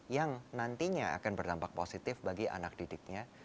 yang nantinya akan berdampak positif bagi anak di daerah